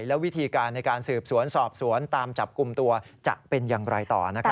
และวิธีการในการสืบสวนสอบสวนตามจับกลุ่มตัวจะเป็นอย่างไรต่อนะครับ